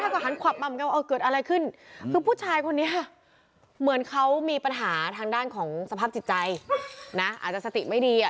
ก็มีปัญหาทางด้านของสภาพจิตใจอาจจะสติไม่ดี